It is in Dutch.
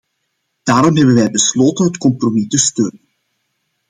Daarom hebben wij besloten het compromis te steunen.